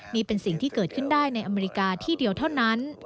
นี่เป็นสิ่งที่เกิดขึ้นได้ในอเมริกาที่เดียวเท่านั้น